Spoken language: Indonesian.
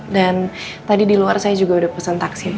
dan tadi diluar saya juga udah pesen taksi